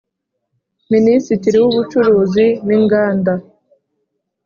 Minisitiri w ubucuruzi n inganda